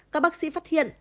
các bác sĩ phát hiện